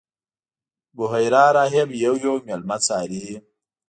بحیرا راهب یو یو میلمه څاري.